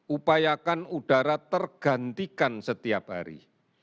upayakan udara tergantikan setiap hari